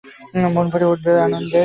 মন ভরে উঠবে আনন্দে।